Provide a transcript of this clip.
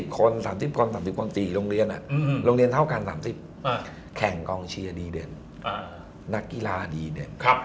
คน๓๐คน๓๐คน๔โรงเรียนโรงเรียนเท่ากัน๓๐แข่งกองเชียร์ดีเด่นนักกีฬาดีเด่น